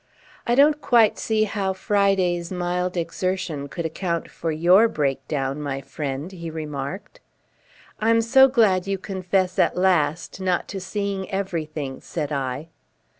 "I don't quite see how Friday's mild exertion could account for YOUR breakdown, my friend," he remarked. "I'm so glad you confess, at last, not to seeing everything," said I.